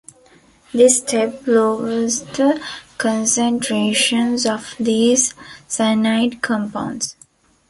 This step lowers the concentrations of these cyanide compounds.